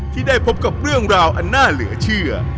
ที่ได้พบกับเรื่องราวอันน่าเหลือเชื่อ